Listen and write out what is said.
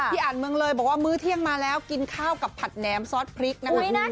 อ่านเมืองเลยบอกว่ามื้อเที่ยงมาแล้วกินข้าวกับผัดแหนมซอสพริกนะคะ